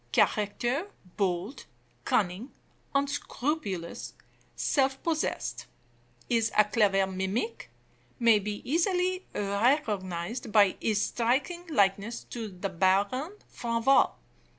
Character: bold, cunning, unscrupulous, self possessed. Is a clever mimic. May be easily recognized by his striking likeness to the Baron Franval.